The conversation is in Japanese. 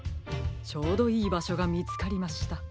ちょうどいいばしょがみつかりました。